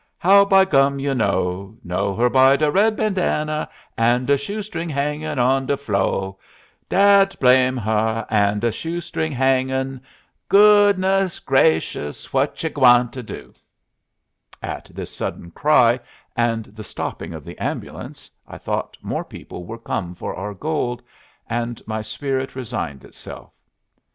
How by gum you know? Know her by de red bandanna, An' de shoestring hangin' on de flo' Dad blam her! An' de shoestring hangin' ' "Goodness grashus! what you gwineter do?" At this sudden cry and the stopping of the ambulance I thought more people were come for our gold, and my spirit resigned itself.